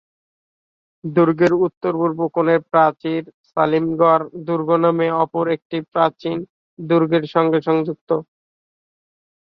দুর্গের উত্তর-পূর্ব কোণের প্রাচীর সালিমগড় দুর্গ নামে অপর একটি প্রাচীন দুর্গের সঙ্গে সংযুক্ত।